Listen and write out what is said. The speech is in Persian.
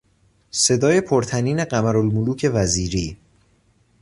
صدای پر طنین قمرالملوک وزیری